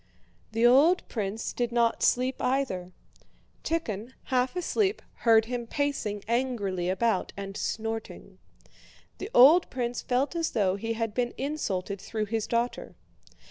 The old prince did not sleep either. Tíkhon, half asleep, heard him pacing angrily about and snorting. The old prince felt as though he had been insulted through his daughter.